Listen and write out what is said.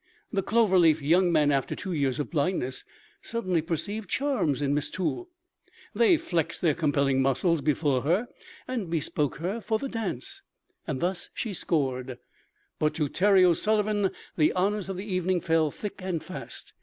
The Clover Leaf young men, after two years of blindness, suddenly perceived charms in Miss Toole. They flexed their compelling muscles before her and bespoke her for the dance. Thus she scored; but to Terry O'Sullivan the honours of the evening fell thick and fast.